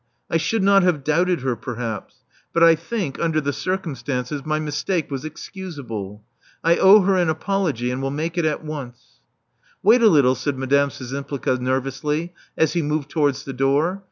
I should not have doubted her, perhaps; but I think, under the circumstances, my mistake was excusable. I owe her an apology, and will make it at once. ''Wait a little," said Madame Szczympliga nervously, as he moved towards the door.